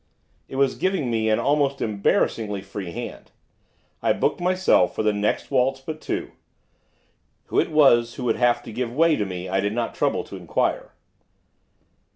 It was giving me an almost embarrassingly free hand. I booked myself for the next waltz but two, who it was who would have to give way to me I did not trouble to inquire.